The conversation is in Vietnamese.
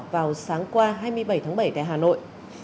vào sáng qua hai mươi bảy tháng bảy tại hà nội